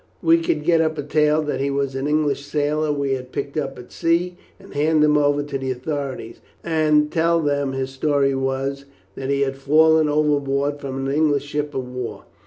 We could get up a tale that he was an English sailor we had picked up at sea, and hand him over to the authorities, and tell them his story was, that he had fallen overboard from an English ship of war.